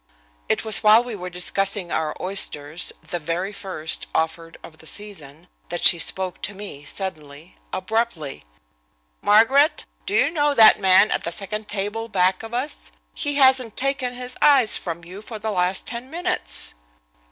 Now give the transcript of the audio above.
It was while we were discussing our oysters, the very first offered of the season, that she spoke to me, suddenly, abruptly: "Margaret, do you know that man at the second table back of us? He hasn't taken his eyes from you for the last ten minutes."